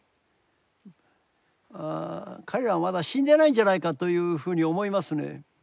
彼らはまだ死んでないんじゃないかというふうに思いますね。